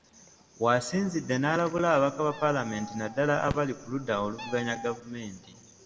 W’asinzidde n’alabula ababaka ba paalamenti naddala abali ku ludda oluvuganya gavumenti .